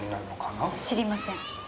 知りません。